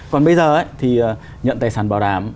còn bây giờ thì nhận tài sản bảo đảm